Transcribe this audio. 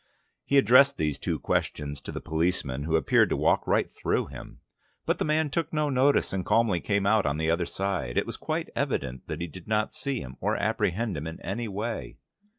He addressed these two questions to the policeman, who appeared to walk right through him. But the man took no notice, and calmly came out on the other side: it was quite evident that he did not see him, or apprehend him in any way.